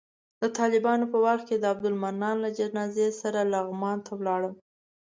د طالبانو په وخت کې د عبدالمنان له جنازې سره لغمان ته ولاړم.